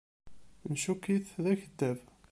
Ncukk-it d akeddab.